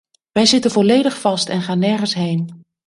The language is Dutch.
Wij zitten volledig vast en gaan nergens heen.